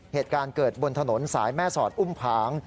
เหตุการณ์เกิดบนถนนสายแม่สอดอุ้มผาง